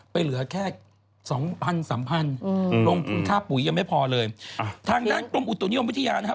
ไปเหลือแค่๒๓พันบาทลงค่าปุ๋ยยังไม่พอเลยทางด้านกรุงอุตโนยมวิทยานะครับ